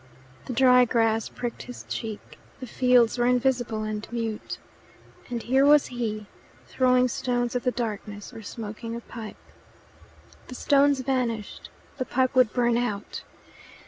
The dry grass pricked his cheek, the fields were invisible and mute, and here was he, throwing stones at the darkness or smoking a pipe. The stones vanished, the pipe would burn out.